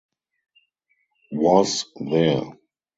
Was there.